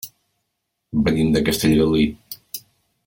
Venim de Castellgalí.